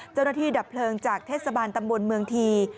เจ้านาทีดับเพลิงจากเทศบาลตำบลเมืองที